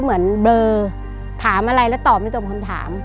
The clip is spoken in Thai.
เหมือนเบลอถามอะไรแล้วตอบไม่ตอบคำถาม